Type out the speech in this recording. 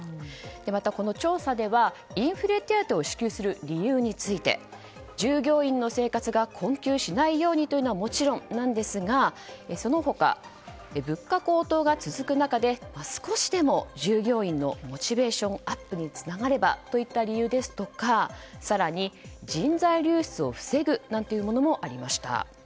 また、調査ではインフレ手当を支給する理由について従業員の生活が困窮しないようにというのはもちろんですがその他、物価高騰が続く中で少しでも従業員のモチベーションアップにつながればといった理由ですとか更に、人材流出を防ぐというものもありました。